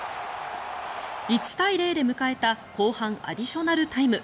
１対０で迎えた後半アディショナルタイム。